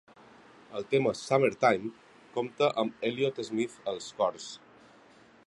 El tema "Summertime" compta amb Elliott Smith als cors.